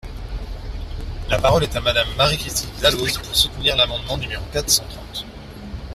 La parole est à Madame Marie-Christine Dalloz, pour soutenir l’amendement numéro quatre cent trente.